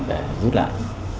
để rút lại